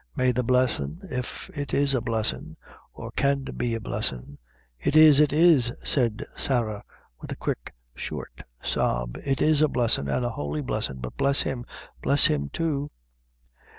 May the blessin', if it is a blessin', or can be a blessin' " "It is, it is," said Sarah, with a quick, short sob; "it is a blessin', an' a holy blessin'; but bless him bless him, too!"